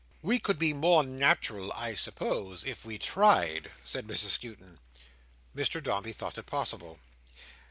"We could be more natural I suppose if we tried?" said Mrs Skewton. Mr Dombey thought it possible.